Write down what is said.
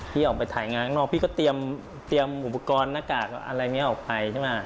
ออกไปถ่ายงานข้างนอกพี่ก็เตรียมอุปกรณ์หน้ากากอะไรนี้ออกไปใช่ไหม